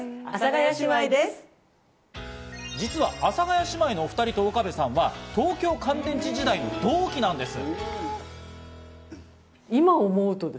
実は阿佐ヶ谷姉妹のお二人と岡部さんは劇団東京乾電池時代の同期なんです。